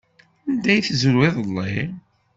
Anda ay tezrew iḍelli?